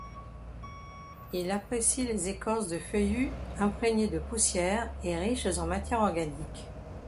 Il apprécie les écorces de feuillues imprégnées de poussières et riches en matières organique.